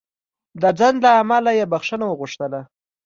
د ځنډ له امله یې بخښنه وغوښتله.